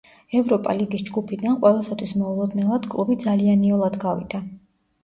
ევროპა ლიგის ჯგუფიდან, ყველასათვის მოულოდნელად, კლუბი ძალიან იოლად გავიდა.